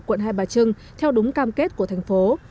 quận hai bà trưng theo đúng cam kết của thành phố